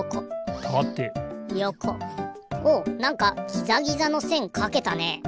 おおなんかギザギザのせんかけたね。